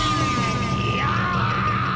いや！